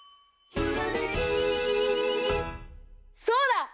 そうだ！